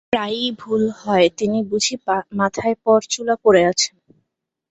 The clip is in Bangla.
প্রায়ই ভুল হয়, তিনি বুঝি মাথায় পরচুলা পরে আছেন।